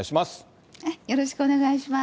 よろしくお願いします。